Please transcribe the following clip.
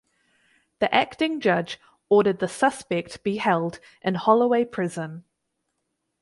The acting judge ordered the suspect be held in Holloway Prison.